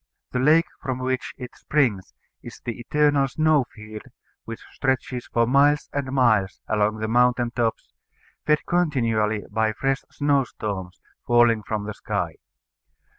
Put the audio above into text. The lake from which it springs is the eternal snow field which stretches for miles and miles along the mountain tops, fed continually by fresh snow storms falling from the sky.